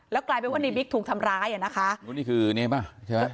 แล้วกลายเป็นว่าในบิ๊กถูกทำร้ายอะนะคะนี่คือเนี้ยป่ะใช่ไหม